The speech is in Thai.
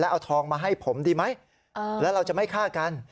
เอาทองมาให้ผมดีไหมแล้วเราจะไม่ฆ่ากัน